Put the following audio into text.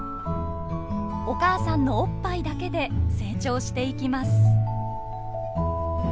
お母さんのおっぱいだけで成長していきます。